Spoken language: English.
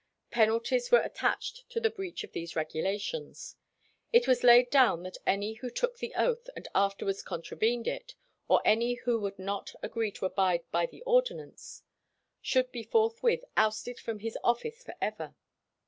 Penalties were attached to the breach of these regulations. It was laid down that any who took the oath and afterwards contravened it, or any who would not agree to abide by the ordinance, should be forthwith "ousted from his office for ever."